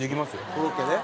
コロッケで？